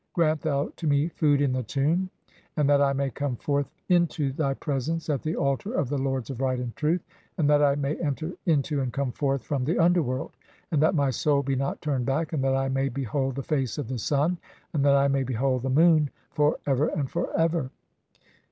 Grant thou "to me food in the tomb, (4) and that I may come forth into "[thv] presence at the altar of the lords of right and truth, and "that I may enter into and come forth from the underworld, "and that my soul be not turned back, and that I may behold "the face of the Sun, and that I may behold the (5) Moon for "ever and for ever."